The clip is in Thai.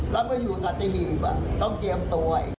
แล้วไม่อยู่สัตธิหีพต้องเจียมตัว